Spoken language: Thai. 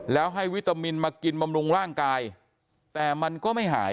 แล้วให้วิตามินมากินบำรุงร่างกายแต่มันก็ไม่หาย